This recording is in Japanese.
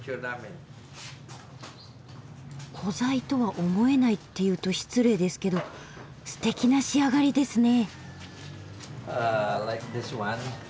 古材とは思えないっていうと失礼ですけどすてきな仕上がりですね。